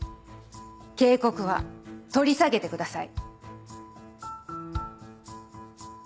警告は取り下げてください。